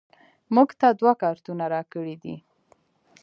موږ ته دوه کارتونه راکړیدي